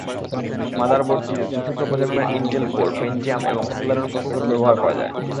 মাদারবোর্ডটিতে চতুর্থ প্রজন্মের Intel core, Pentium এবং সেলেরন প্রসেসর ব্যবহার করা যায়।